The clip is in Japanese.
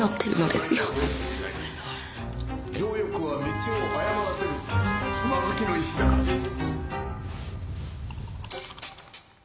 情欲は道を誤らせるつまずきの石だからです。